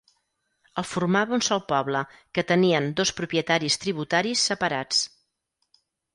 El formava un sol poble que tenien dos propietaris-tributaris separats.